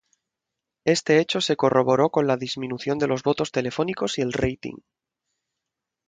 Este hecho se corroboró con la disminución de los votos telefónicos y el rating.